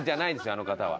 あの方は。